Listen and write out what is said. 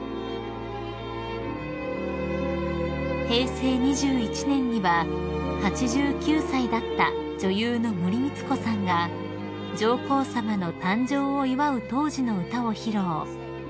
［平成２１年には８９歳だった女優の森光子さんが上皇さまの誕生を祝う当時の歌を披露］